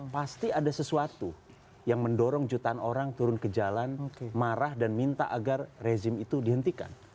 pasti ada sesuatu yang mendorong jutaan orang turun ke jalan marah dan minta agar rezim itu dihentikan